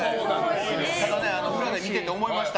ただ、裏で見てて思いました。